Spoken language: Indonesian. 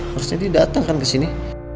harusnya dia dateng kan kesini